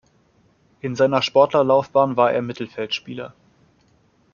In seiner Sportlerlaufbahn war er Mittelfeldspieler.